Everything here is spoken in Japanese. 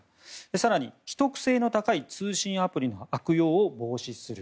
更に、秘匿性の高い通信アプリの悪用を防止する。